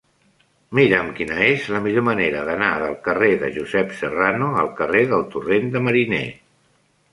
Mira'm quina és la millor manera d'anar del carrer de Josep Serrano al carrer del Torrent de Mariner.